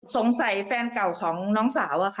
สงสัยแฟนเก่าของน้องสาว